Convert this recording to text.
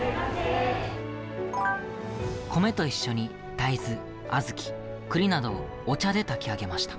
米と一緒に大豆、小豆、くりなどをお茶で炊き上げました。